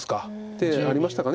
手ありましたか。